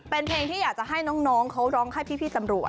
เป็นเพลงที่อยากจะให้น้องเขาร้องให้พี่ตำรวจ